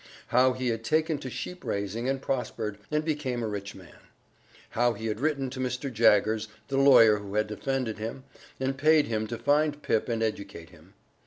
How he had taken to sheep raising and prospered, and became a rich man. How he had written to Mr. Jaggers, the lawyer who had defended him, and paid him to find Pip and educate him.